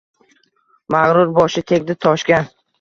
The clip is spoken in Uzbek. Magʼrur boshi tegdi toshga